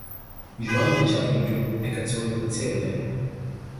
ژوند د چاکلیټو د کڅوړې په څیر دی.